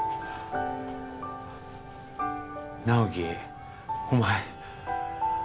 直木お前